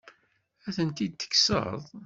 Ad ten-id-tekkseḍ?